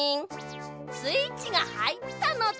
スイッチがはいったのだ。